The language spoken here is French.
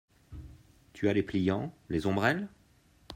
Tu as les pliants, les ombrelles ?